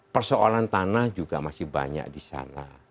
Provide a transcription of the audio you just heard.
persoalan tanah juga masih banyak di sana